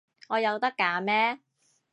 我有得揀咩？